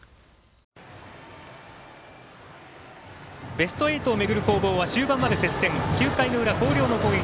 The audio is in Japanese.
ベスト８を巡る攻防は終盤まで接戦、９回の裏広陵の攻撃。